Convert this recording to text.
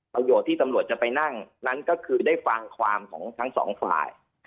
ประโยชน์ที่ตำรวจจะไปนั่งนั้นก็คือได้ฟังความของทั้งสองฝ่าย